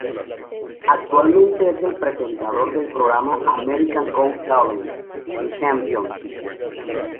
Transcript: Actualmente es presentador del programa America's Got Talent: The Champions!